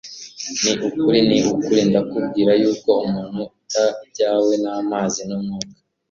“Ni ukuri, ni ukuri, ndakubwira yuko umuntu utabyawe n’amazi n‘Umwuka,